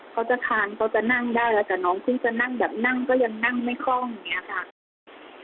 เขาจะทานเขาจะนั่งได้แล้วแต่น้องเพิ่งจะนั่งแบบนั่งก็ยังนั่งไม่คล่องอย่างนี้ค่ะ